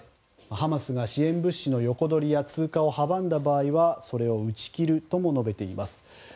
ハマスが支援物資の横取りや通過を阻んだ場合はそれを打ち切るとも述べています。